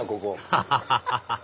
ハハハハハ